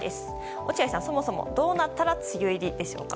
落合さん、そもそもどうなったら梅雨入りでしょうか？